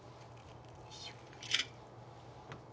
よいしょ。